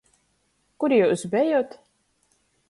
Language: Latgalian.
Kur jius bejot?